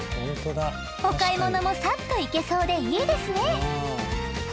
お買い物もさっと行けそうでいいですね。